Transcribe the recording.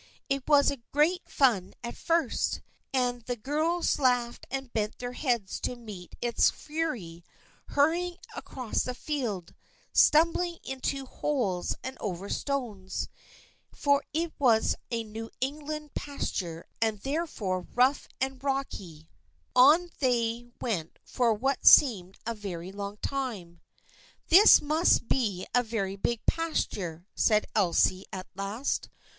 It was great fun at first, and the girls laughed and bent their heads to meet its fury, hurrying across the field, stumbling into holes and over stones, for it was a New England pasture and was therefore rough and rocky. 120 THE FRIENDSHIP OF ANNE On they went for what seemed a very long time. " This must be a very big pasture,'' said Elsie at last.